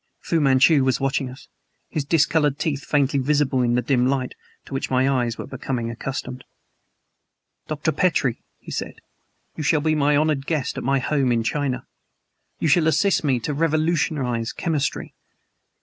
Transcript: Fu Manchu was watching us, his discolored teeth faintly visible in the dim light, to which my eyes were becoming accustomed. "Dr. Petrie," he said, "you shall be my honored guest at my home in China. You shall assist me to revolutionize chemistry.